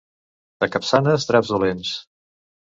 A Capçanes, draps dolents.